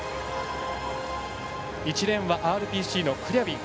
１レーンはＲＰＣのクリャビン。